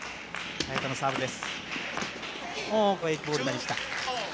早田のサーブです。